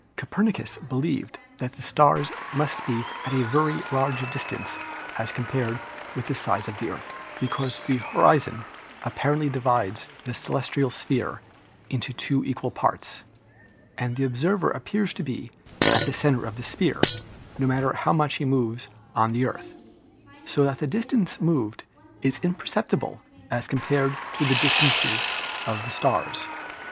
Copernicus believed that the stars must be at a very great distance as compared with the size of the Earth, because the horizon apparently divides the celestial sphere into two equal parts, and the observer appears to be at the center of this sphere, no matter how much he moves on the Earth, so that the distance moved is imperceptible as compared with the distance of the stars.